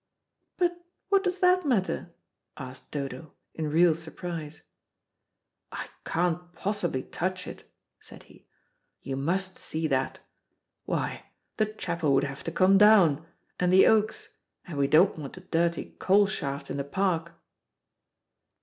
"But what does that matter?" asked Dodo, in real surprise. "I can't possibly touch it," said he; "you must see that. Why, the chapel would have to come down, and the oaks, and we don't want a dirty coal shaft in the Park."